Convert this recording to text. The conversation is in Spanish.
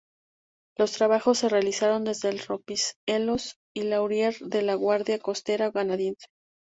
Los trabajos se realizaron desde el rompehielos Laurier de la Guardia Costera canadiense.